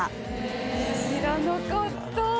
知らなかった。